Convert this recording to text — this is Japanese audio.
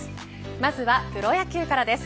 まずはプロ野球からです。